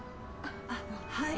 あっはい。